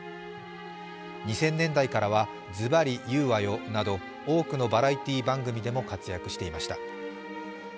２０００年代からは「ズバリ言うわよ！」など多くのバラエティー番組でも活躍していました。